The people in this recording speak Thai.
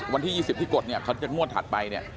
วันที่๒๐ที่กดเขาจะงวดถัดไป